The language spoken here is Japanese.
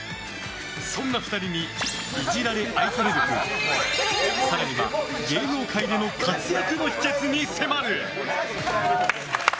そんな２人にイジられ愛され力更には、芸能界での活躍の秘訣に迫る。